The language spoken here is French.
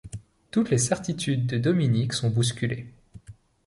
Toutes les certitudes de Dominique sont bousculées.